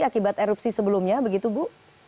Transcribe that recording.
akibat erupsi sebelumnya begitu bu